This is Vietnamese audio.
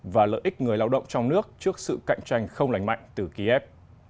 và lợi ích người lao động trong nước trước sự cạnh tranh không lành mạnh từ kiev